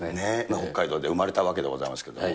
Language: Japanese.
北海道で生まれたわけでございますけれども、